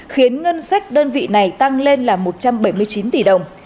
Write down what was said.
khiến ngân sách đơn vị này tăng lên là một trăm bảy mươi chín tỷ đồng